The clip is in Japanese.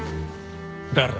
誰だ！？